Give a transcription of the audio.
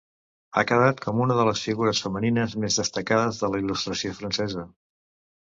Ha quedat com una de les figures femenines més destacades de la Il·lustració francesa.